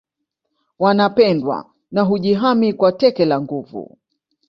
Wanapendwa na hujihami kwa teke la nguvu